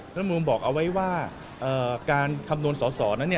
รัฐมนุนบอกเอาไว้ว่าการคำนวณสอสอนั้น